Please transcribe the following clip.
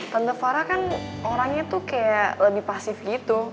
tante farah kan orangnya tuh kayak lebih pasif gitu